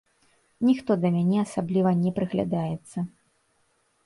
Ніхто да мяне асабліва не прыглядаецца.